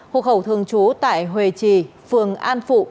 hộ khẩu thường trú tại huệ trì phường an phụ